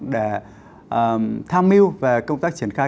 để tham mưu và công tác triển khai